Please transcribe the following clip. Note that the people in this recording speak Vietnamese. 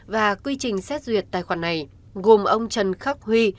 và quy trình xét duyệt tài khoản này gồm ông trần khắc huy